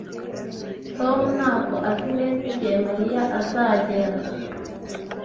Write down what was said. Tom ntabwo azi neza igihe Mariya azagera